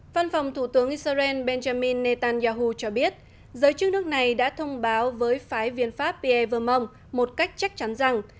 văn phòng thủ tướng israel benjamin netanyahu cho biết giới chức nước này đã thông báo với phái viên pháp piervermong một cách chắc chắn rằng